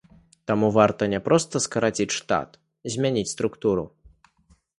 Таму варта не проста скараціць штат, змяніць структуру.